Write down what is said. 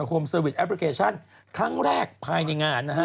โฮมเซอร์วิสแอปพลิเคชันครั้งแรกภายในงานนะฮะ